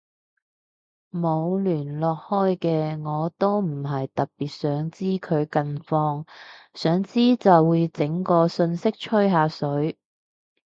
冇聯絡開嘅我都唔係特別想知佢近況，想知就會整個訊息吹下水